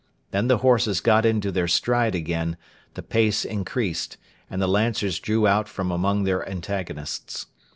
Then the horses got into their stride again, the pace increased, and the Lancers drew out from among their antagonists.